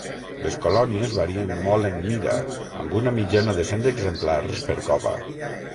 Les colònies varien molt en mida, amb una mitjana de cent exemplars per cova.